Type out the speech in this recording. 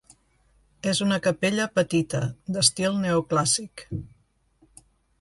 És una capella petita, d'estil neoclàssic.